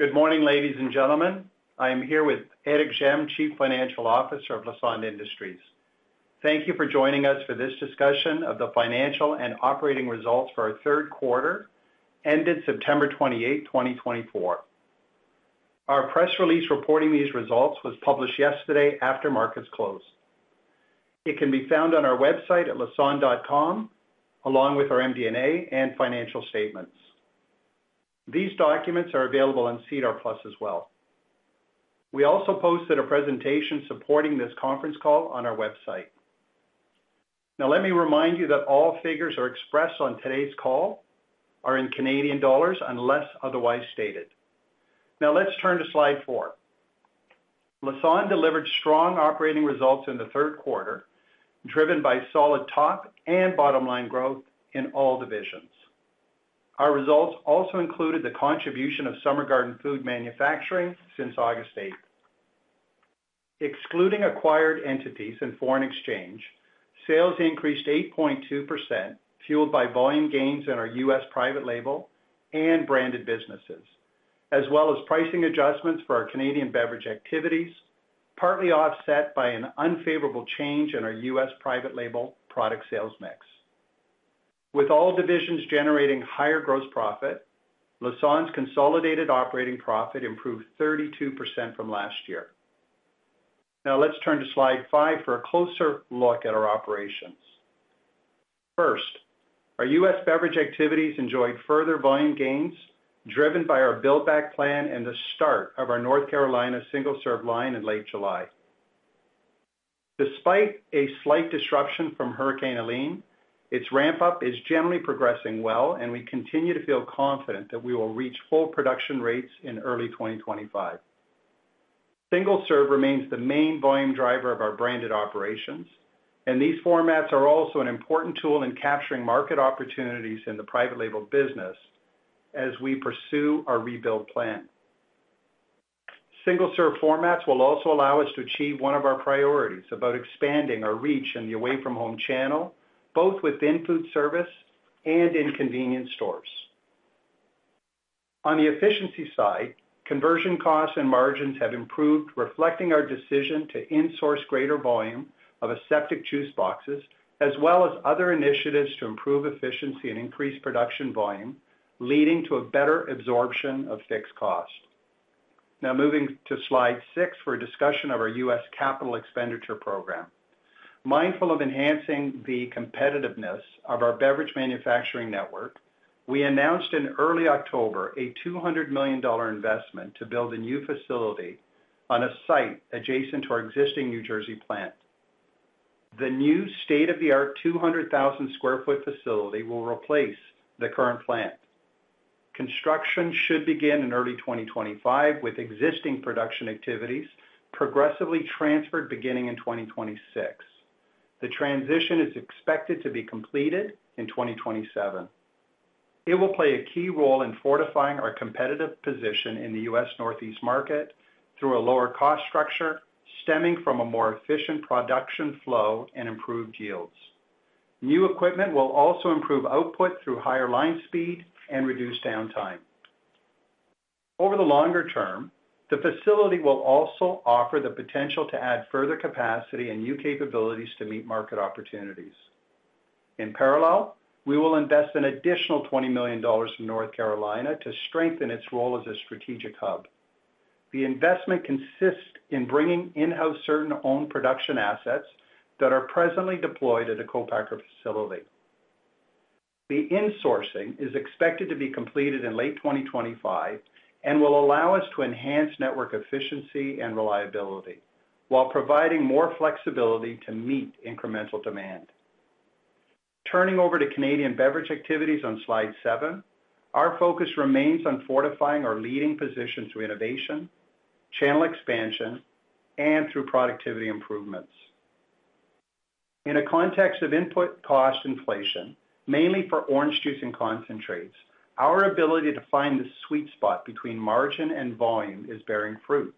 Good morning, ladies and gentlemen. I am here with Éric Gemme, Chief Financial Officer of Lassonde Industries. Thank you for joining us for this discussion of the financial and operating results for our third quarter, ended September 28, 2024. Our press release reporting these results was published yesterday after markets closed. It can be found on our website at lassonde.com, along with our MD&A and financial statements. These documents are available on SEDAR+ as well. We also posted a presentation supporting this conference call on our website. Now, let me remind you that all figures expressed on today's call are in Canadian dollars unless otherwise stated. Now, let's turn to slide four. Lassonde delivered strong operating results in the third quarter, driven by solid top and bottom line growth in all divisions. Our results also included the contribution of Summer Garden Food Manufacturing since August 8. Excluding acquired entities in foreign exchange, sales increased 8.2%, fueled by volume gains in our U.S. private label and branded businesses, as well as pricing adjustments for our Canadian beverage activities, partly offset by an unfavorable change in our U.S. private label product sales mix. With all divisions generating higher gross profit, Lassonde's consolidated operating profit improved 32% from last year. Now, let's turn to slide five for a closer look at our operations. First, our U.S. beverage activities enjoyed further volume gains, driven by our build-back plan and the start of our North Carolina single-serve line in late July. Despite a slight disruption from Hurricane Helene, its ramp-up is generally progressing well, and we continue to feel confident that we will reach full production rates in early 2025. Single-serve remains the main volume driver of our branded operations, and these formats are also an important tool in capturing market opportunities in the private label business as we pursue our build-back plan. Single-serve formats will also allow us to achieve one of our priorities about expanding our reach in the away-from-home channel, both within food service and in convenience stores. On the efficiency side, conversion costs and margins have improved, reflecting our decision to insource greater volume of aseptic juice boxes, as well as other initiatives to improve efficiency and increase production volume, leading to a better absorption of fixed cost. Now, moving to slide six for a discussion of our U.S. capital expenditure program. Mindful of enhancing the competitiveness of our beverage manufacturing network, we announced in early October a $200 million investment to build a new facility on a site adjacent to our existing New Jersey plant. The new state-of-the-art 200,000 sq ft facility will replace the current plant. Construction should begin in early 2025, with existing production activities progressively transferred beginning in 2026. The transition is expected to be completed in 2027. It will play a key role in fortifying our competitive position in the U.S. Northeast market through a lower cost structure stemming from a more efficient production flow and improved yields. New equipment will also improve output through higher line speed and reduce downtime. Over the longer term, the facility will also offer the potential to add further capacity and new capabilities to meet market opportunities. In parallel, we will invest an additional $20 million in North Carolina to strengthen its role as a strategic hub. The investment consists in bringing in-house certain owned production assets that are presently deployed at a co-packer facility. The insourcing is expected to be completed in late 2025 and will allow us to enhance network efficiency and reliability while providing more flexibility to meet incremental demand. Turning to Canadian beverage activities on slide seven, our focus remains on fortifying our leading position through innovation, channel expansion, and through productivity improvements. In a context of input cost inflation, mainly for orange juice and concentrates, our ability to find the sweet spot between margin and volume is bearing fruit.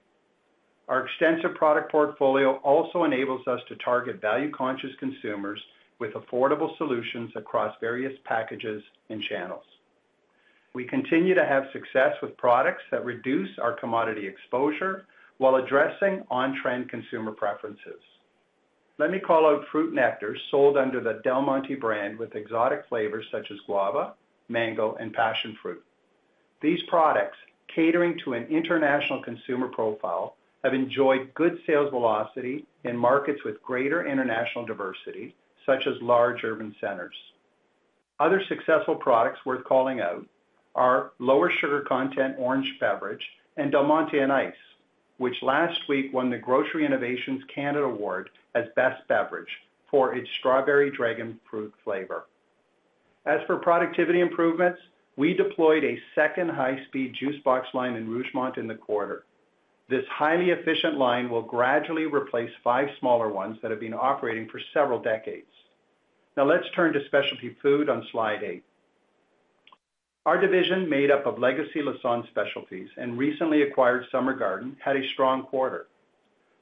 Our extensive product portfolio also enables us to target value-conscious consumers with affordable solutions across various packages and channels. We continue to have success with products that reduce our commodity exposure while addressing on-trend consumer preferences. Let me call out fruit nectars sold under the Del Monte brand with exotic flavors such as guava, mango, and passion fruit. These products, catering to an international consumer profile, have enjoyed good sales velocity in markets with greater international diversity, such as large urban centers. Other successful products worth calling out are lower sugar content orange beverage and Del Monte Fruit & Ice, which last week won the Grocery Innovations Canada Award as best beverage for its strawberry dragon fruit flavor. As for productivity improvements, we deployed a second high-speed juice box line in Rougemont in the quarter. This highly efficient line will gradually replace five smaller ones that have been operating for several decades. Now, let's turn to specialty food on slide eight. Our division, made up of legacy Lassonde specialties and recently acquired Summer Garden, had a strong quarter.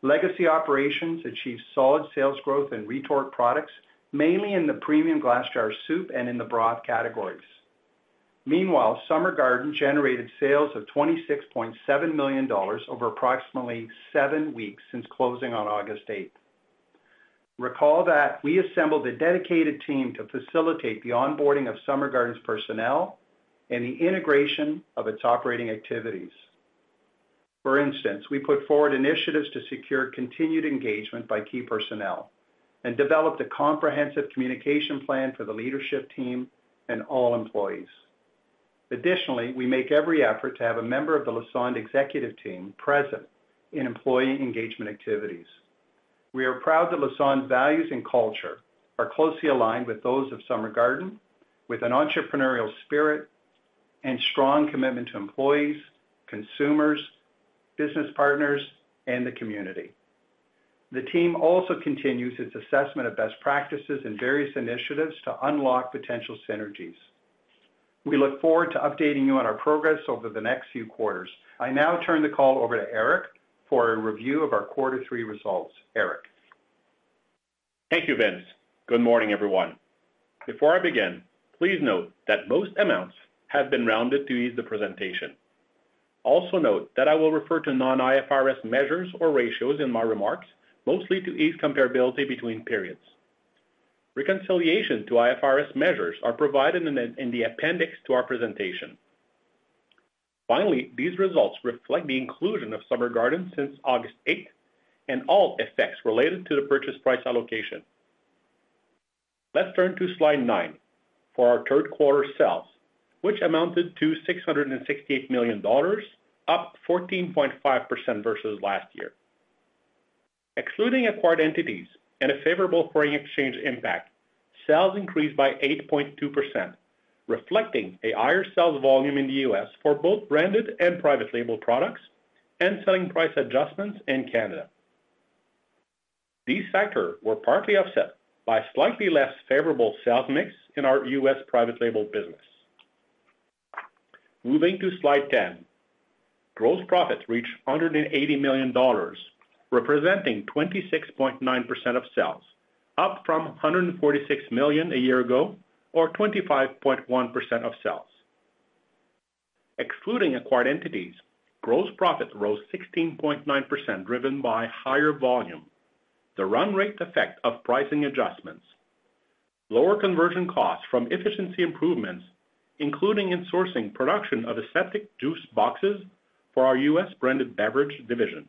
Legacy operations achieved solid sales growth in retort products, mainly in the premium glass jar soup and in the broth categories. Meanwhile, Summer Garden generated sales of 26.7 million dollars over approximately seven weeks since closing on August 8. Recall that we assembled a dedicated team to facilitate the onboarding of Summer Garden's personnel and the integration of its operating activities. For instance, we put forward initiatives to secure continued engagement by key personnel and developed a comprehensive communication plan for the leadership team and all employees. Additionally, we make every effort to have a member of the Lassonde executive team present in employee engagement activities. We are proud that Lassonde's values and culture are closely aligned with those of Summer Garden, with an entrepreneurial spirit and strong commitment to employees, consumers, business partners, and the community. The team also continues its assessment of best practices and various initiatives to unlock potential synergies. We look forward to updating you on our progress over the next few quarters. I now turn the call over to Éric for a review of our quarter three results. Éric. Thank you, Vince. Good morning, everyone. Before I begin, please note that most amounts have been rounded to ease the presentation. Also note that I will refer to non-IFRS measures or ratios in my remarks, mostly to ease comparability between periods. Reconciliation to IFRS measures are provided in the appendix to our presentation. Finally, these results reflect the inclusion of Summer Garden since August 8 and all effects related to the purchase price allocation. Let's turn to slide nine for our third quarter sales, which amounted to 668 million dollars, up 14.5% versus last year. Excluding acquired entities and a favorable foreign exchange impact, sales increased by 8.2%, reflecting a higher sales volume in the U.S. for both branded and private label products and selling price adjustments in Canada. These factors were partly offset by slightly less favorable sales mix in our U.S. private label business. Moving to slide 10, gross profits reached 180 million dollars, representing 26.9% of sales, up from 146 million a year ago, or 25.1% of sales. Excluding acquired entities, gross profit rose 16.9%, driven by higher volume, the run rate effect of pricing adjustments, lower conversion costs from efficiency improvements, including insourcing production of aseptic juice boxes for our U.S. branded beverage division,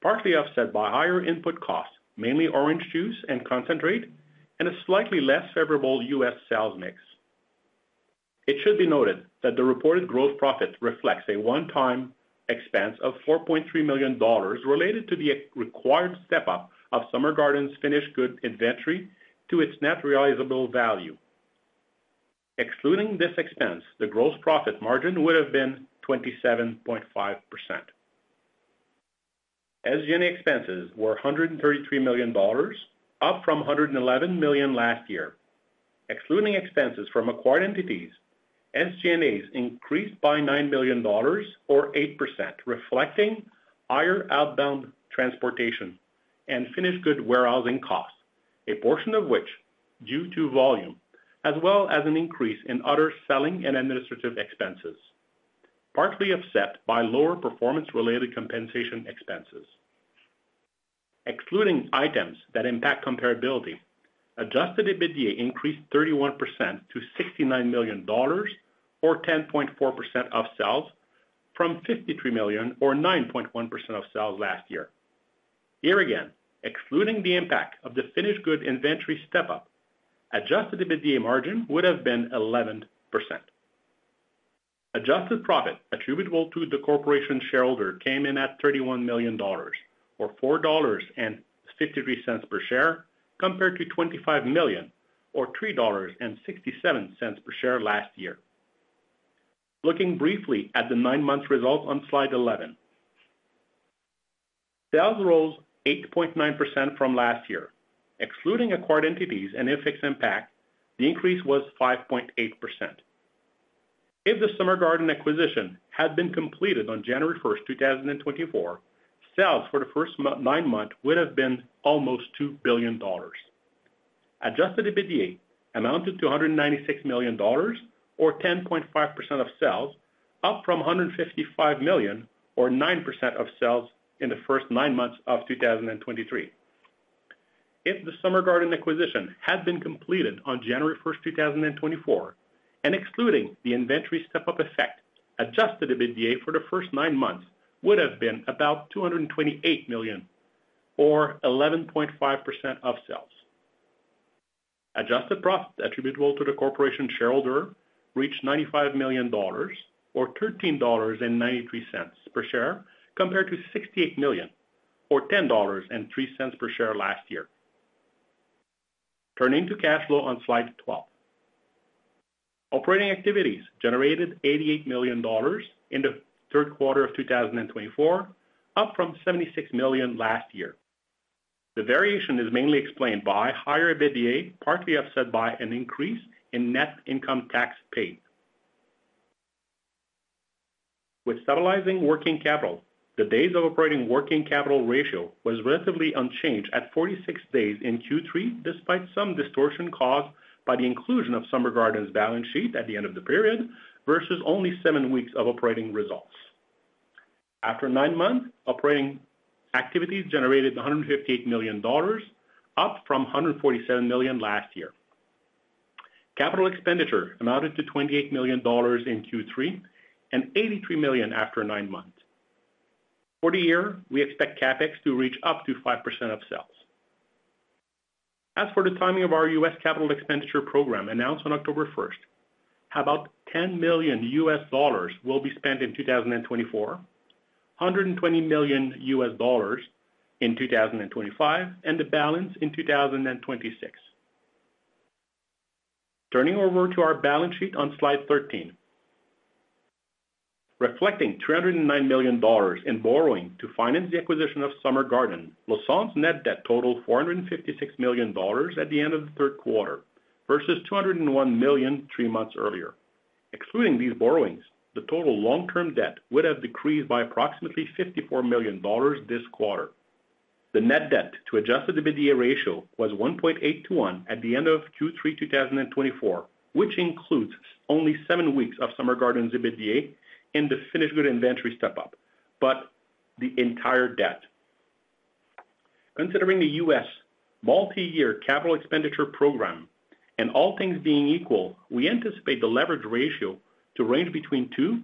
partly offset by higher input costs, mainly orange juice and concentrate, and a slightly less favorable U.S. sales mix. It should be noted that the reported gross profit reflects a one-time expense of 4.3 million dollars related to the required step-up of Summer Garden's finished goods inventory to its net realizable value. Excluding this expense, the gross profit margin would have been 27.5%. SG&A expenses were 133 million dollars, up from 111 million last year. Excluding expenses from acquired entities, SG&A increased by $9 million, or 8%, reflecting higher outbound transportation and finished good warehousing costs, a portion of which is due to volume, as well as an increase in other selling and administrative expenses, partly offset by lower performance-related compensation expenses. Excluding items that impact comparability, Adjusted EBITDA increased 31% to $69 million, or 10.4% of sales, from $53 million, or 9.1% of sales last year. Here again, excluding the impact of the finished good inventory step-up, adjusted EBITDA margin would have been 11%. Adjusted profit attributable to the Corporation's shareholders came in at $31 million, or $4.53 per share, compared to $25 million, or $3.67 per share last year. Looking briefly at the nine-month result on slide 11, sales rose 8.9% from last year. Excluding acquired entities and IFRS impact, the increase was 5.8%. If the Summer Garden acquisition had been completed on January 1, 2024, sales for the first nine months would have been almost 2 billion dollars. Adjusted EBITDA amounted to 196 million dollars, or 10.5% of sales, up from 155 million, or 9% of sales in the first nine months of 2023. If the Summer Garden acquisition had been completed on January 1, 2024, and excluding the inventory step-up effect, adjusted EBITDA for the first nine months would have been about 228 million, or 11.5% of sales. Adjusted profits attributable to the corporation shareholder reached 95 million dollars, or 13.93 dollars per share, compared to 68 million, or 10.03 dollars per share last year. Turning to cash flow on slide 12, operating activities generated 88 million dollars in the third quarter of 2024, up from 76 million last year. The variation is mainly explained by higher EBITDA, partly offset by an increase in net income tax paid. With stabilizing working capital, the days of operating working capital ratio was relatively unchanged at 46 days in Q3, despite some distortion caused by the inclusion of Summer Garden's balance sheet at the end of the period versus only seven weeks of operating results. After nine months, operating activities generated 158 million dollars, up from 147 million last year. Capital expenditure amounted to 28 million dollars in Q3 and 83 million after nine months. For the year, we expect CapEx to reach up to 5% of sales. As for the timing of our U.S. capital expenditure program announced on October 1, about $10 million USD will be spent in 2024, $120 million USD in 2025, and the balance in 2026. Turning over to our balance sheet on slide 13, reflecting 309 million dollars in borrowing to finance the acquisition of Summer Garden, Lassonde's net debt totaled 456 million dollars at the end of the third quarter versus 201 million three months earlier. Excluding these borrowings, the total long-term debt would have decreased by approximately 54 million dollars this quarter. The net debt to Adjusted EBITDA ratio was 1.821 at the end of Q3 2024, which includes only seven weeks of Summer Garden's EBITDA in the finished goods inventory step-up, but the entire debt. Considering the U.S. multi-year capital expenditure program, and all things being equal, we anticipate the leverage ratio to range between 2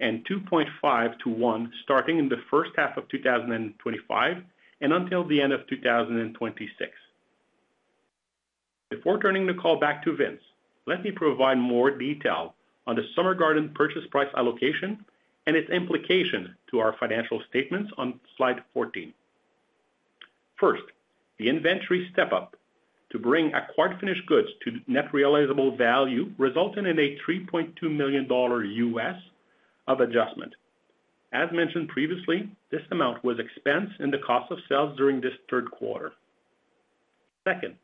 and 2.5 to 1 starting in the first half of 2025 and until the end of 2026. Before turning the call back to Vince, let me provide more detail on the Summer Garden purchase price allocation and its implication to our financial statements on slide 14. First, the inventory step-up to bring acquired finished goods to net realizable value resulted in a $3.2 million U.S. dollars of adjustment. As mentioned previously, this amount was expensed in the cost of sales during the third quarter. Second,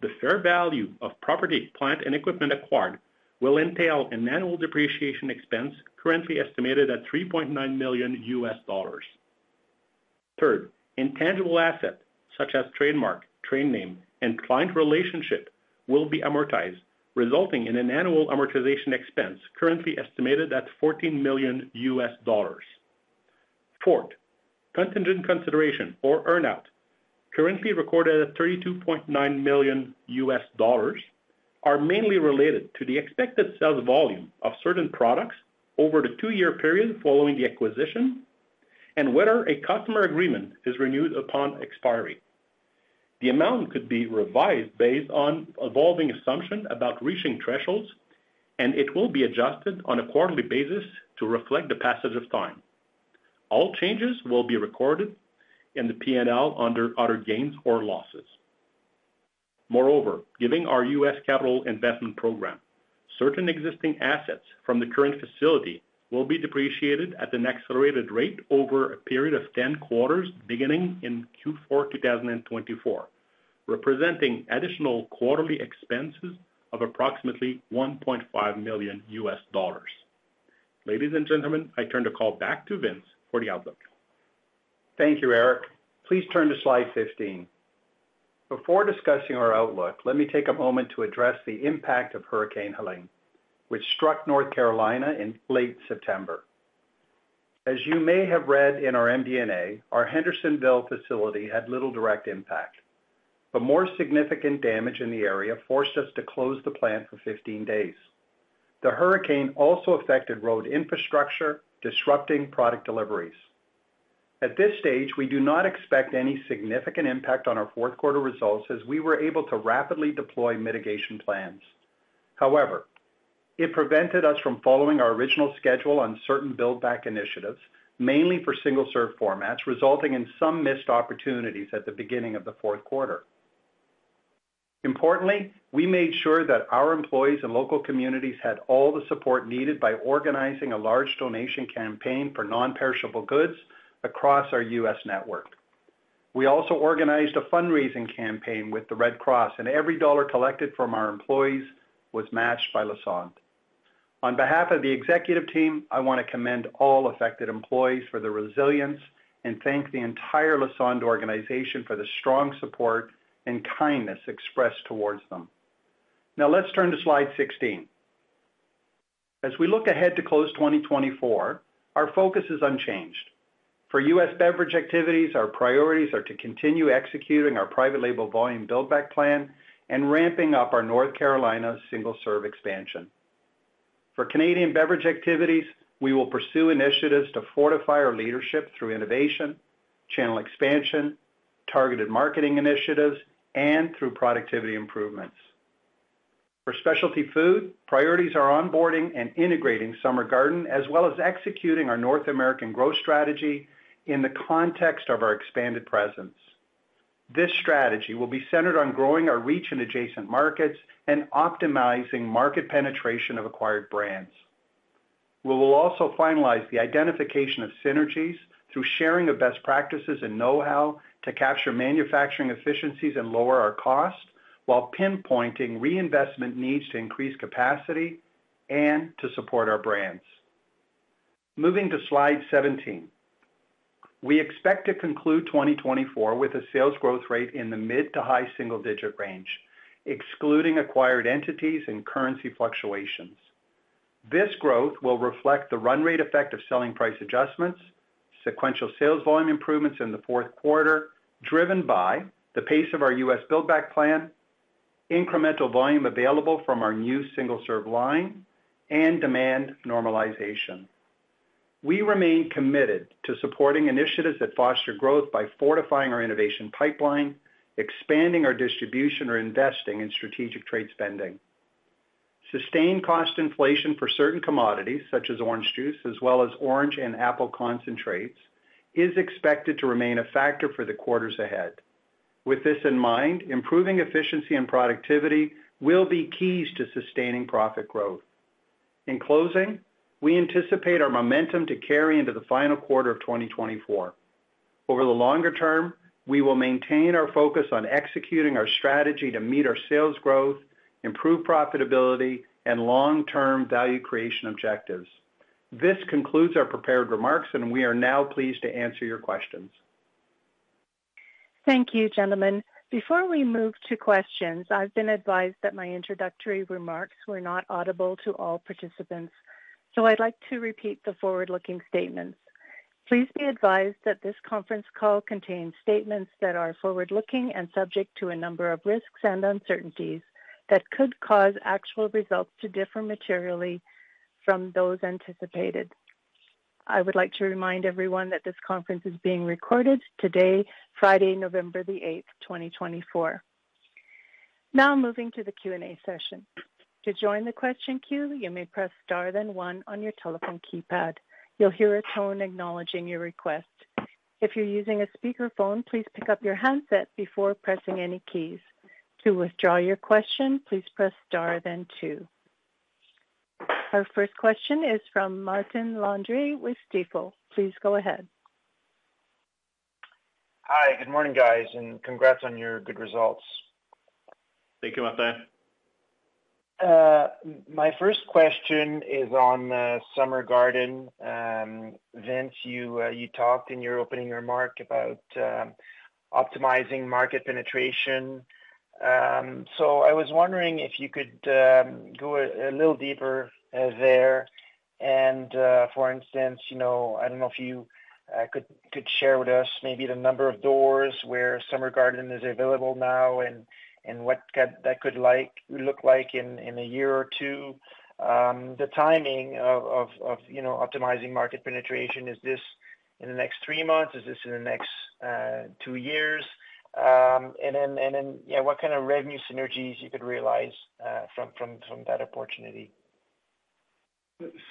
the fair value of property, plant, and equipment acquired will entail an annual depreciation expense currently estimated at $3.9 million U.S. dollars. Third, intangible assets such as trademark, trade name, and client relationship will be amortized, resulting in an annual amortization expense currently estimated at $14 million U.S. dollars. Fourth, contingent consideration or earnout, currently recorded at $32.9 million U.S. dollars, are mainly related to the expected sales volume of certain products over the two-year period following the acquisition and whether a customer agreement is renewed upon expiry. The amount could be revised based on evolving assumptions about reaching thresholds, and it will be adjusted on a quarterly basis to reflect the passage of time. All changes will be recorded in the P&L under other gains or losses. Moreover, given our U.S. capital investment program, certain existing assets from the current facility will be depreciated at an accelerated rate over a period of 10 quarters beginning in Q4 2024, representing additional quarterly expenses of approximately $1.5 million U.S. dollars. Ladies and gentlemen, I turn the call back to Vince for the outlook. Thank you, Éric. Please turn to slide 15. Before discussing our outlook, let me take a moment to address the impact of Hurricane Helene, which struck North Carolina in late September. As you may have read in our MD&A, our Hendersonville facility had little direct impact, but more significant damage in the area forced us to close the plant for 15 days. The hurricane also affected road infrastructure, disrupting product deliveries. At this stage, we do not expect any significant impact on our fourth quarter results as we were able to rapidly deploy mitigation plans. However, it prevented us from following our original schedule on certain build-back initiatives, mainly for single-serve formats, resulting in some missed opportunities at the beginning of the fourth quarter. Importantly, we made sure that our employees and local communities had all the support needed by organizing a large donation campaign for non-perishable goods across our U.S. network. We also organized a fundraising campaign with the Red Cross, and every dollar collected from our employees was matched by Lassonde. On behalf of the executive team, I want to commend all affected employees for their resilience and thank the entire Lassonde organization for the strong support and kindness expressed towards them. Now, let's turn to slide 16. As we look ahead to the close of 2024, our focus is unchanged. For U.S. beverage activities, our priorities are to continue executing our private label volume build-back plan and ramping up our North Carolina single-serve expansion. For Canadian beverage activities, we will pursue initiatives to fortify our leadership through innovation, channel expansion, targeted marketing initiatives, and through productivity improvements. For specialty food, priorities are onboarding and integrating Summer Garden, as well as executing our North American growth strategy in the context of our expanded presence. This strategy will be centered on growing our reach in adjacent markets and optimizing market penetration of acquired brands. We will also finalize the identification of synergies through sharing of best practices and know-how to capture manufacturing efficiencies and lower our costs, while pinpointing reinvestment needs to increase capacity and to support our brands. Moving to slide 17, we expect to conclude 2024 with a sales growth rate in the mid to high single-digit range, excluding acquired entities and currency fluctuations. This growth will reflect the run rate effect of selling price adjustments, sequential sales volume improvements in the fourth quarter, driven by the pace of our U.S. build-back plan, incremental volume available from our new single-serve line, and demand normalization. We remain committed to supporting initiatives that foster growth by fortifying our innovation pipeline, expanding our distribution, or investing in strategic trade spending. Sustained cost inflation for certain commodities, such as orange juice, as well as orange and apple concentrates, is expected to remain a factor for the quarters ahead. With this in mind, improving efficiency and productivity will be keys to sustaining profit growth. In closing, we anticipate our momentum to carry into the final quarter of 2024. Over the longer term, we will maintain our focus on executing our strategy to meet our sales growth, improve profitability, and long-term value creation objectives. This concludes our prepared remarks, and we are now pleased to answer your questions. Thank you, gentlemen. Before we move to questions, I've been advised that my introductory remarks were not audible to all participants, so I'd like to repeat the forward-looking statements. Please be advised that this conference call contains statements that are forward-looking and subject to a number of risks and uncertainties that could cause actual results to differ materially from those anticipated. I would like to remind everyone that this conference is being recorded today, Friday, November the 8th, 2024. Now, moving to the Q&A session. To join the question queue, you may press star then one on your telephone keypad. You'll hear a tone acknowledging your request. If you're using a speakerphone, please pick up your handset before pressing any keys. To withdraw your question, please press star then two. Our first question is from Martin Landry with Stifel. Please go ahead. Hi, good morning, guys, and congrats on your good results. Thank you, Martin. My first question is on Summer Garden. Vince, you talked in your opening remark about optimizing market penetration. So I was wondering if you could go a little deeper there. And for instance, I don't know if you could share with us maybe the number of doors where Summer Garden is available now, and what that could look like in a year or two. The timing of optimizing market penetration, is this in the next three months? Is this in the next two years? And then, yeah, what kind of revenue synergies you could realize from that opportunity?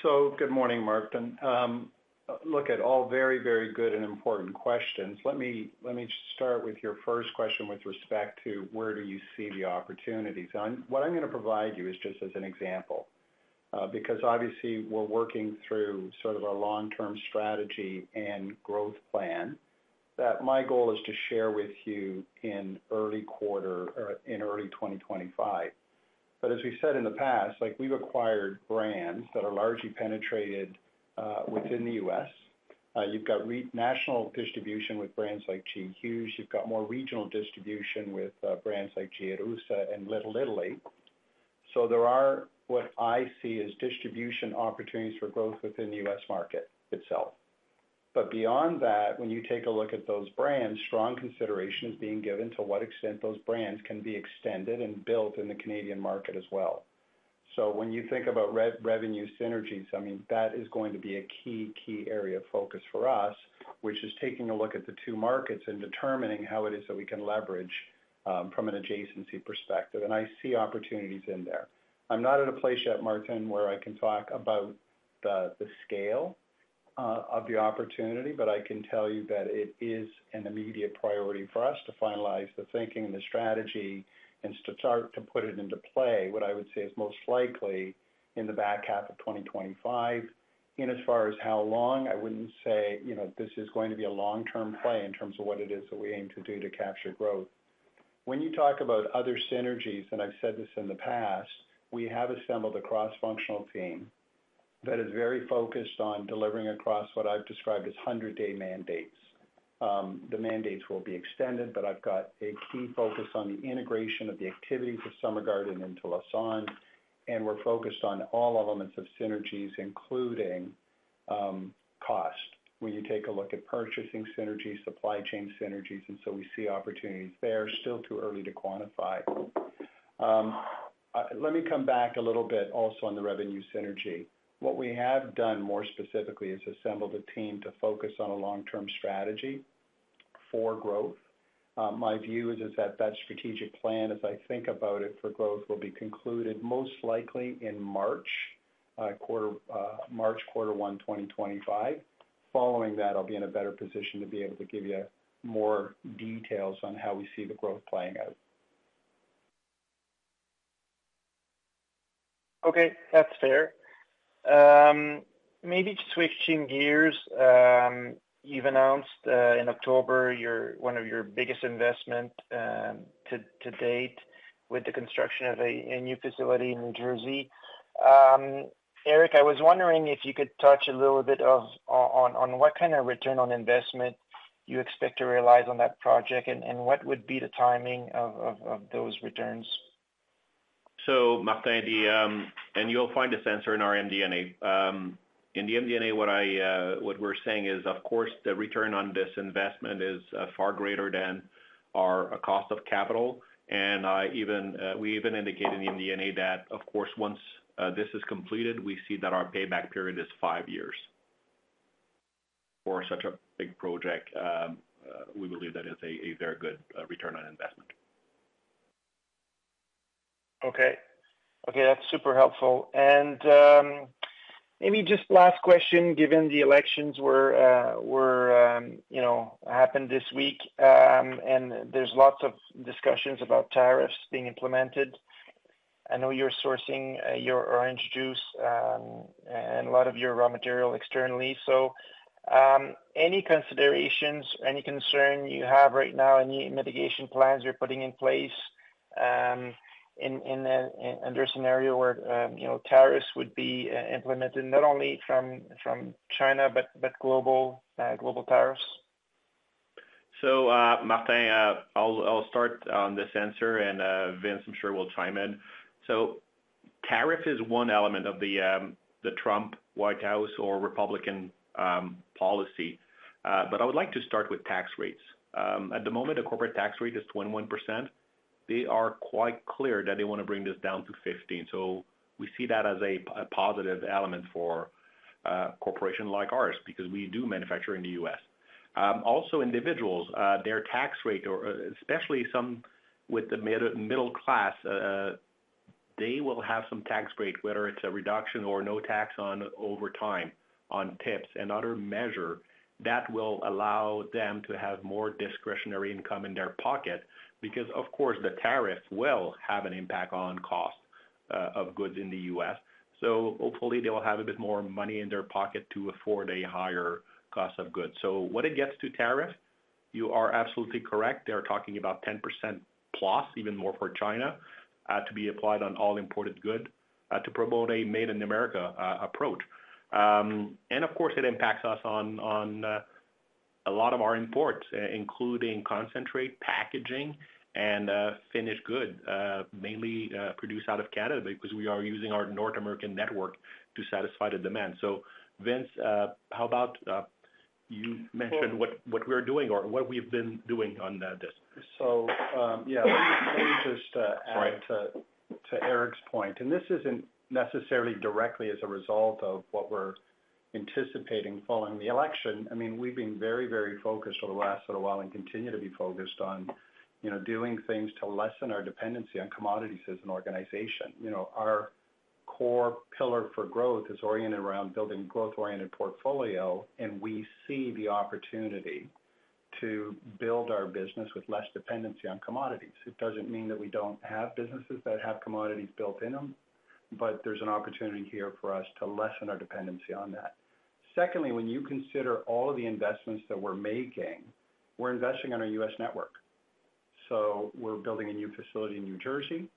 So good morning, Martin. Look at all very, very good and important questions. Let me just start with your first question with respect to where do you see the opportunities. And what I'm going to provide you is just as an example, because obviously we're working through sort of our long-term strategy and growth plan that my goal is to share with you in early quarter or in early 2025. But as we said in the past, we've acquired brands that are largely penetrated within the U.S. You've got national distribution with brands like G. Hughes. You've got more regional distribution with brands like Gia Russa and Little Italy. So there are, what I see, is distribution opportunities for growth within the U.S. market itself. But beyond that, when you take a look at those brands, strong consideration is being given to what extent those brands can be extended and built in the Canadian market as well. So when you think about revenue synergies, I mean, that is going to be a key, key area of focus for us, which is taking a look at the two markets and determining how it is that we can leverage from an adjacency perspective. And I see opportunities in there. I'm not at a place yet, Martin, where I can talk about the scale of the opportunity, but I can tell you that it is an immediate priority for us to finalize the thinking and the strategy and start to put it into play, what I would say is most likely in the back half of 2025. And as far as how long, I wouldn't say this is going to be a long-term play in terms of what it is that we aim to do to capture growth. When you talk about other synergies, and I've said this in the past, we have assembled a cross-functional team that is very focused on delivering across what I've described as 100-day mandates. The mandates will be extended, but I've got a key focus on the integration of the activities of Summer Garden into Lassonde, and we're focused on all elements of synergies, including cost, when you take a look at purchasing synergies, supply chain synergies. And so we see opportunities there, still too early to quantify. Let me come back a little bit also on the revenue synergy. What we have done more specifically is assembled a team to focus on a long-term strategy for growth. My view is that strategic plan, as I think about it for growth, will be concluded most likely in March, quarter one, 2025. Following that, I'll be in a better position to be able to give you more details on how we see the growth playing out. Okay, that's fair. Maybe switching gears, you've announced in October one of your biggest investments to date with the construction of a new facility in New Jersey. Éric, I was wondering if you could touch a little bit on what kind of return on investment you expect to realize on that project and what would be the timing of those returns. Mattea, and you'll find a section in our MD&A. In the MD&A, what we're saying is, of course, the return on this investment is far greater than our cost of capital. We even indicate in the MD&A that, of course, once this is completed, we see that our payback period is five years for such a big project. We believe that is a very good return on investment. Okay, that's super helpful. And maybe just last question, given the elections happened this week and there's lots of discussions about tariffs being implemented. I know you're sourcing your orange juice and a lot of your raw material externally. So any considerations, any concern you have right now, any mitigation plans you're putting in place under a scenario where tariffs would be implemented, not only from China, but global tariffs? Mattea, I'll start on this answer, and Vince, I'm sure we'll chime in. Tariff is one element of the Trump White House or Republican policy, but I would like to start with tax rates. At the moment, the corporate tax rate is 21%. They are quite clear that they want to bring this down to 15%. We see that as a positive element for a corporation like ours because we do manufacture in the U.S. Also, individuals, their tax rate, especially some with the middle class, they will have some tax break, whether it's a reduction or no tax over time on tips and other measures that will allow them to have more discretionary income in their pocket because, of course, the tariffs will have an impact on cost of goods in the U.S. So hopefully they will have a bit more money in their pocket to afford a higher cost of goods. So when it gets to tariffs, you are absolutely correct. They're talking about 10% plus, even more for China, to be applied on all imported goods to promote a made-in-America approach. And of course, it impacts us on a lot of our imports, including concentrate, packaging, and finished goods, mainly produced out of Canada because we are using our North American network to satisfy the demand. So, Vince, how about you mention what we're doing or what we've been doing on this? Yeah, let me just add to Éric's point. This isn't necessarily directly as a result of what we're anticipating following the election. I mean, we've been very, very focused over the last little while and continue to be focused on doing things to lessen our dependency on commodities as an organization. Our core pillar for growth is oriented around building a growth-oriented portfolio, and we see the opportunity to build our business with less dependency on commodities. It doesn't mean that we don't have businesses that have commodities built in them, but there's an opportunity here for us to lessen our dependency on that. Secondly, when you consider all of the investments that we're making, we're investing in our U.S. network. We're building a new facility in New Jersey.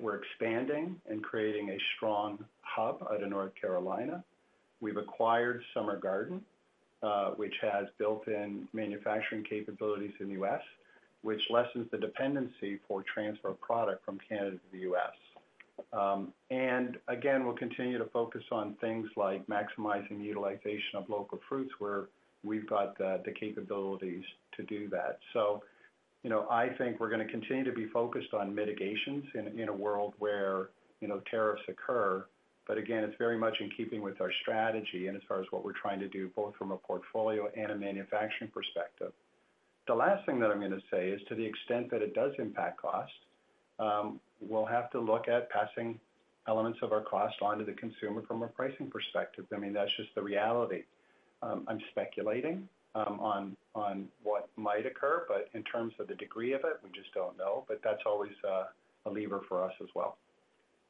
We're expanding and creating a strong hub out of North Carolina. We've acquired Summer Garden, which has built-in manufacturing capabilities in the U.S., which lessens the dependency for transfer of product from Canada to the U.S. And again, we'll continue to focus on things like maximizing utilization of local fruits where we've got the capabilities to do that. So I think we're going to continue to be focused on mitigations in a world where tariffs occur. But again, it's very much in keeping with our strategy and as far as what we're trying to do, both from a portfolio and a manufacturing perspective. The last thing that I'm going to say is, to the extent that it does impact cost, we'll have to look at passing elements of our cost onto the consumer from a pricing perspective. I mean, that's just the reality. I'm speculating on what might occur, but in terms of the degree of it, we just don't know. But that's always a lever for us as well.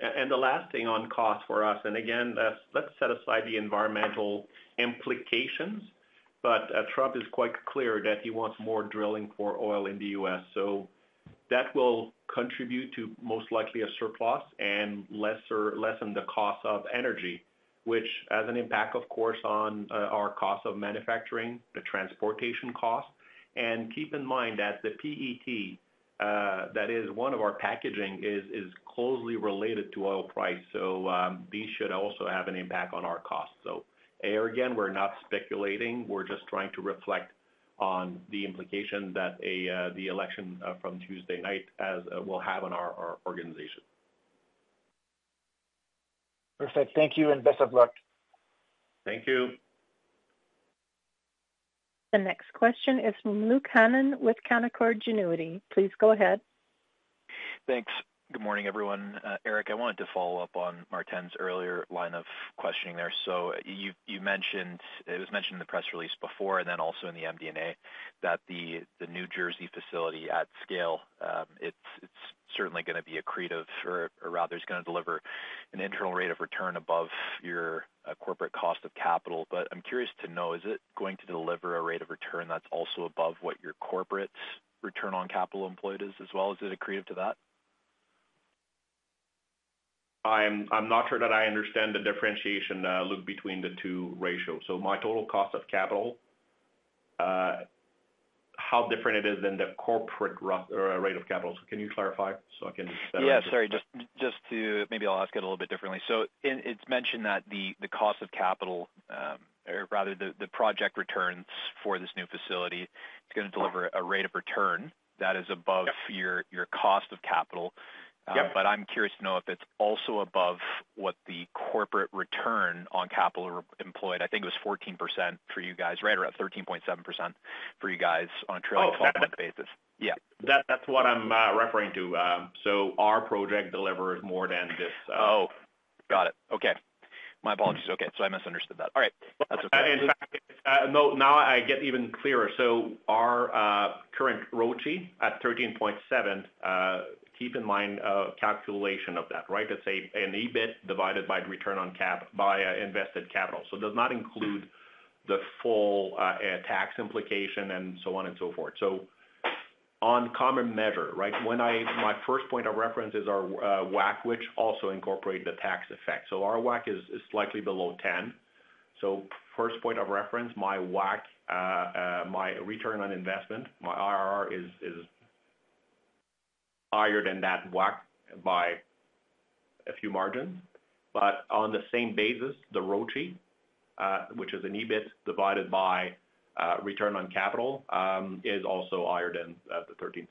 And the last thing on cost for us, and again, let's set aside the environmental implications, but Trump is quite clear that he wants more drilling for oil in the U.S. So that will contribute to most likely a surplus and lessen the cost of energy, which has an impact, of course, on our cost of manufacturing, the transportation cost. And keep in mind that the PET, that is one of our packaging, is closely related to oil price. So these should also have an impact on our costs. So there again, we're not speculating. We're just trying to reflect on the implication that the election from Tuesday night will have on our organization. Perfect. Thank you and best of luck. Thank you. The next question is from Luke Hannan with Canaccord Genuity. Please go ahead. Thanks. Good morning, everyone. Éric, I wanted to follow up on Martin's earlier line of questioning there. So it was mentioned in the press release before and then also in the MD&A that the New Jersey facility at scale, it's certainly going to be accretive or rather is going to deliver an internal rate of return above your corporate cost of capital. But I'm curious to know, is it going to deliver a rate of return that's also above what your corporate return on capital employed is as well? Is it accretive to that? I'm not sure that I understand the differentiation between the two ratios. So my total cost of capital, how different it is than the corporate rate of capital. So can you clarify so I can? Yeah, sorry. Just to maybe I'll ask it a little bit differently. So it's mentioned that the cost of capital, or rather the project returns for this new facility, it's going to deliver a rate of return that is above your cost of capital. But I'm curious to know if it's also above what the corporate return on capital employed. I think it was 14% for you guys, right? Or 13.7% for you guys on a trailing twelve-month basis. Yeah. That's what I'm referring to. So our project delivers more than this. Oh, got it. Okay. My apologies. Okay. So I misunderstood that. All right. In fact, now I get even clearer. So our current ROIC at 13.7%, keep in mind calculation of that, right? It's an EBIT divided by return on capital invested. So it does not include the full tax implication and so on and so forth. So on common measure, right? My first point of reference is our WACC, which also incorporates the tax effect. So our WACC is slightly below 10%. So, first point of reference, my WACC, my return on investment, my IRR is higher than that WACC by a few margins. But on the same basis, the ROIC, which is an EBIT divided by return on capital, is also higher than the 13.7%.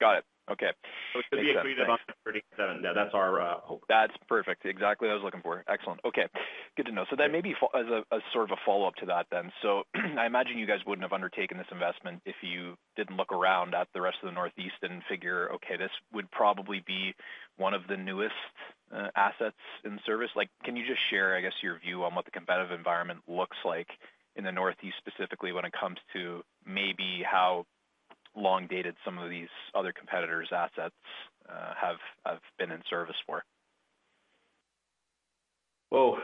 Got it. Okay. So it should be accretive on 13.7%. Yeah, that's our hope. That's perfect. Exactly what I was looking for. Excellent. Okay. Good to know. So that may be as a sort of a follow-up to that then. So I imagine you guys wouldn't have undertaken this investment if you didn't look around at the rest of the Northeast and figure, okay, this would probably be one of the newest assets in service. Can you just share, I guess, your view on what the competitive environment looks like in the Northeast specifically when it comes to maybe how long-dated some of these other competitors' assets have been in service for?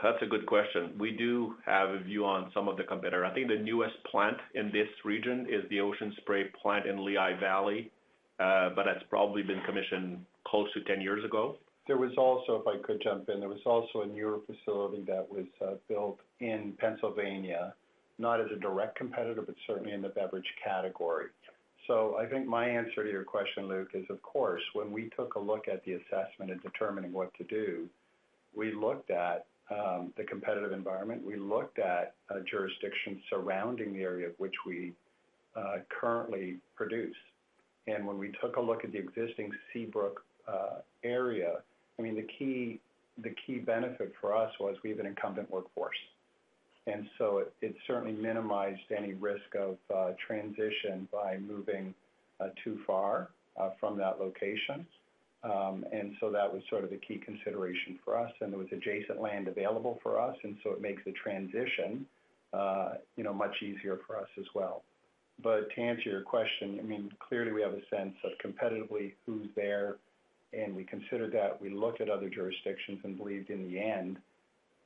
That's a good question. We do have a view on some of the competitors. I think the newest plant in this region is the Ocean Spray plant in Lehigh Valley, but that's probably been commissioned close to 10 years ago. There was also, if I could jump in, there was also a newer facility that was built in Pennsylvania, not as a direct competitor, but certainly in the beverage category. So I think my answer to your question, Luke, is, of course, when we took a look at the assessment and determining what to do, we looked at the competitive environment. We looked at jurisdictions surrounding the area of which we currently produce. And when we took a look at the existing Seabrook area, I mean, the key benefit for us was we have an incumbent workforce. And so it certainly minimized any risk of transition by moving too far from that location. And so that was sort of the key consideration for us. And there was adjacent land available for us. And so it makes the transition much easier for us as well. But to answer your question, I mean, clearly we have a sense of competitively who's there. And we considered that. We looked at other jurisdictions and believed in the end,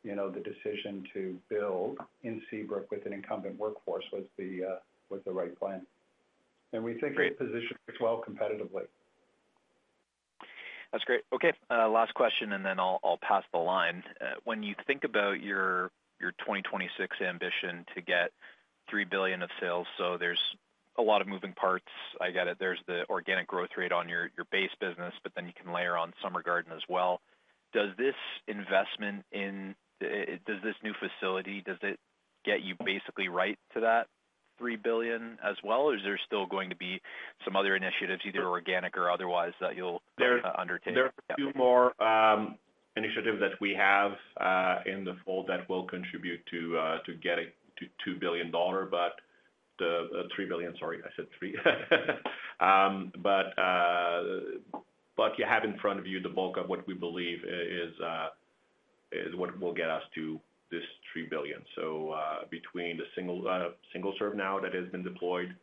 the decision to build in Seabrook with an incumbent workforce was the right plan. And we think we're positioned well competitively. That's great. Okay. Last question, and then I'll pass the line. When you think about your 2026 ambition to get three billion of sales, so there's a lot of moving parts. I get it. There's the organic growth rate on your base business, but then you can layer on Summer Garden as well. Does this investment in this new facility, does it get you basically right to that three billion as well? Or is there still going to be some other initiatives, either organic or otherwise, that you'll undertake? There are a few more initiatives that we have in the fold that will contribute to getting to 2 billion dollar, but the 3 billion, sorry, I said 3. But you have in front of you the bulk of what we believe is what will get us to this 3 billion. So between the single serve now that has been deployed,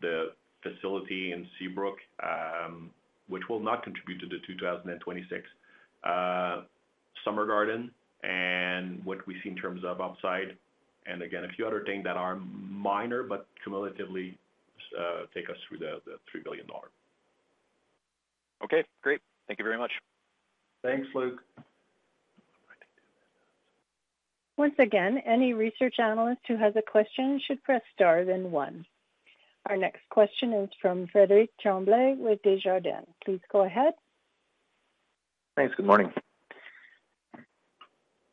the facility in Seabrook, which will not contribute to the 2026, Summer Garden, and what we see in terms of upside, and again, a few other things that are minor, but cumulatively take us through the 3 billion dollar. Okay. Great. Thank you very much. Thanks, Luke. Once again, any research analyst who has a question should press star then one. Our next question is from Frédéric Tremblay with Desjardins. Please go ahead. Thanks. Good morning.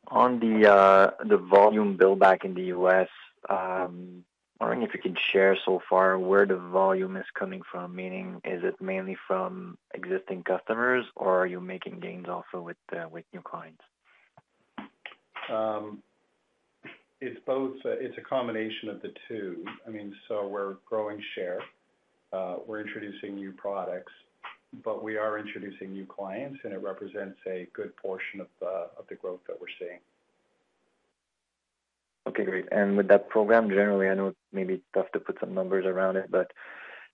On the volume build-back in the U.S., I'm wondering if you can share so far where the volume is coming from, meaning is it mainly from existing customers or are you making gains also with new clients? It's a combination of the two. I mean, so we're growing share. We're introducing new products, but we are introducing new clients, and it represents a good portion of the growth that we're seeing. Okay. Great. And with that program, generally, I know it's maybe tough to put some numbers around it, but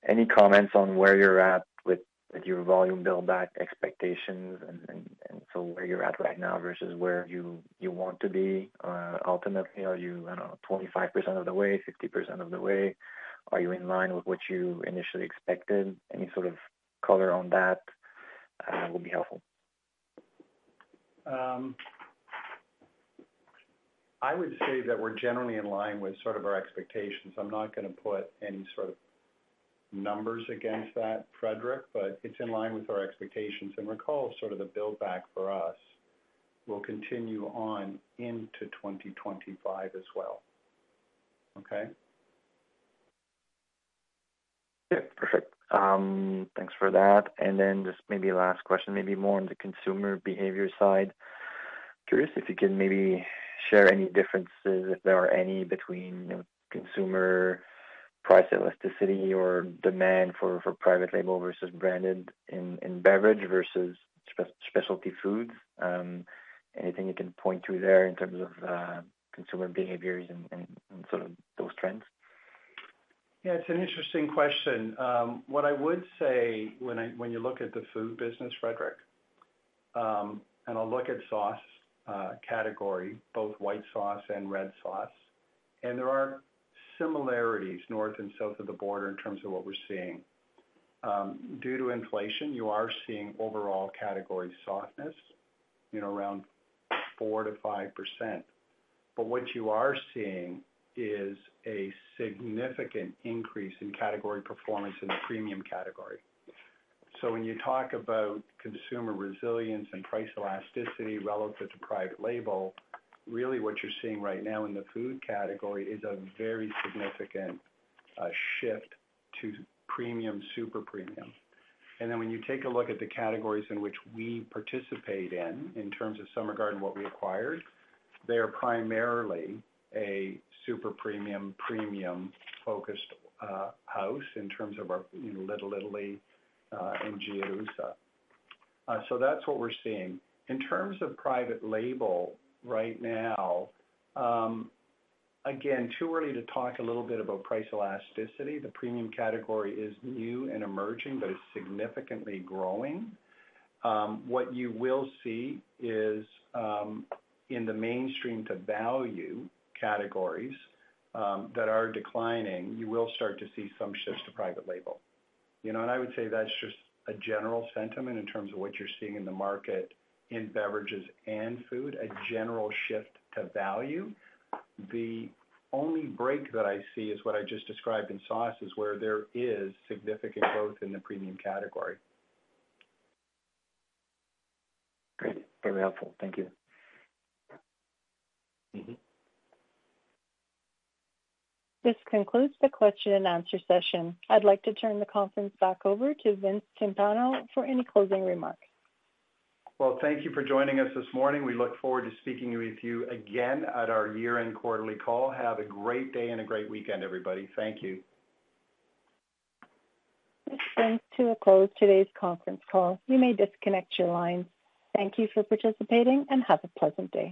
any comments on where you're at with your volume build-back expectations and so where you're at right now versus where you want to be ultimately? Are you 25% of the way, 50% of the way? Are you in line with what you initially expected? Any sort of color on that will be helpful. I would say that we're generally in line with sort of our expectations. I'm not going to put any sort of numbers against that, Frédéric, but it's in line with our expectations. And recall sort of the build-back for us will continue on into 2025 as well. Okay? Yeah. Perfect. Thanks for that. And then just maybe last question, maybe more on the consumer behavior side. Curious if you can maybe share any differences, if there are any, between consumer price elasticity or demand for private label versus branded in beverage versus specialty foods. Anything you can point to there in terms of consumer behaviors and sort of those trends? Yeah. It's an interesting question. What I would say when you look at the food business, Frédéric, and I'll look at sauce category, both white sauce and red sauce, and there are similarities north and south of the border in terms of what we're seeing. Due to inflation, you are seeing overall category softness around 4%-5%. But what you are seeing is a significant increase in category performance in the premium category. So when you talk about consumer resilience and price elasticity relative to private label, really what you're seeing right now in the food category is a very significant shift to premium, super premium. And then when you take a look at the categories in which we participate in, in terms of Summer Garden, what we acquired, they are primarily a super premium, premium-focused house in terms of our Little Italy and Gia Russa. So that's what we're seeing. In terms of private label right now, again, too early to talk a little bit about price elasticity. The premium category is new and emerging, but it's significantly growing. What you will see is in the mainstream-to-value categories that are declining, you will start to see some shifts to private label. And I would say that's just a general sentiment in terms of what you're seeing in the market in beverages and food, a general shift to value. The only break that I see is what I just described in sauce, is where there is significant growth in the premium category. Great. Very helpful. Thank you. This concludes the question and answer session. I'd like to turn the conference back over to Vince Timpano for any closing remarks. Thank you for joining us this morning. We look forward to speaking with you again at our year-end quarterly call. Have a great day and a great weekend, everybody. Thank you. This brings to a close today's conference call. You may disconnect your lines. Thank you for participating, and have a pleasant day.